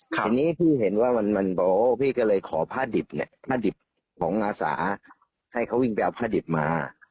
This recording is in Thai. ทีนี้พี่เห็นว่ามันโบ้พี่ก็เลยขอผ้าดิบของอาสาให้เขาวิ่งไปเอาผ้าดิบมา